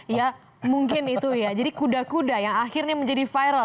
ya mungkin itu ya jadi kuda kuda yang akhirnya menjadi viral